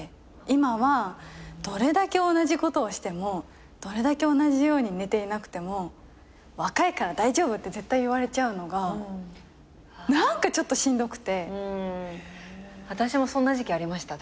今はどれだけ同じことをしてもどれだけ同じように寝ていなくても「若いから大丈夫」って絶対言われちゃうのが何かちょっとしんどくて。あたしもそんな時期ありました